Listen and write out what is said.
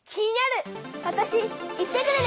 わたし行ってくるね！